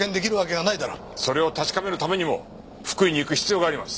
それを確かめるためにも福井に行く必要があります。